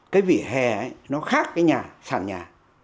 cái vỉa hè nó khác cái nhà sàn nhà